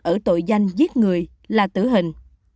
ở tội danh giết người là tử hình